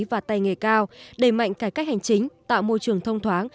và tay nghề cao đẩy mạnh cải cách hành chính tạo môi trường thông thoáng